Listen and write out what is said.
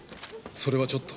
それはちょっと。